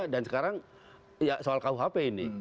dan sekarang soal rkuhp ini